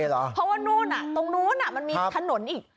เพราะว่านู่นตรงนู้นมันมีถนนอีก